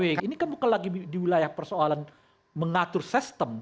ini kan bukan lagi di wilayah persoalan mengatur sistem